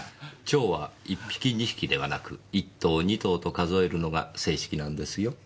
蝶は１匹２匹ではなく１頭２頭と数えるのが正式なんですよ。